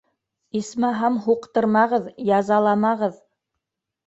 — Исмаһам, һуҡтырмағыҙ, язаламағыҙ.